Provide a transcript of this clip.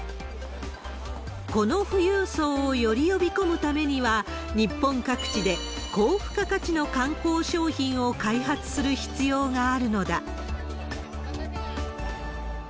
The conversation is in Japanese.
この富裕層をより呼び込むためには、日本各地で高付加価値の観光商品を開発する必要があるのだ。